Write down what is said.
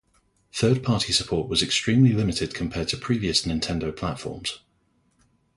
Third party support was extremely limited compared to previous Nintendo platforms.